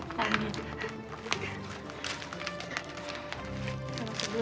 masuk dulu ya